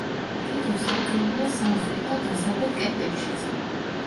თითო სარკმელია სამხრეთ და დასავლეთ კედლებშიც.